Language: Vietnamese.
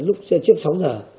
lúc trước sáu giờ